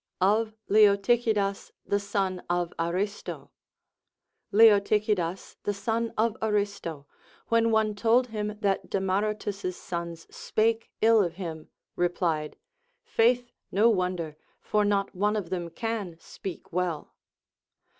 Of LeotycMdas the Son of Arista. Leotychidas the son of Aristo, Avhen one told him that Demaratus's sons spake ill of him, replied, Faith, no • wonder, for not one of them can speak well.